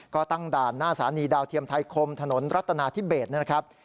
ก็ตั้งด่านหน้าสถานีดาวเทียมไทยคมถนนรัฐนาธิเบสนะครับ